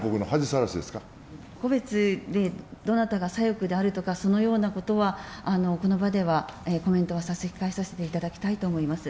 個別にどなたが左翼であるとか、そのようなことは、この場ではコメントは差し控えさせていただきたいと思います。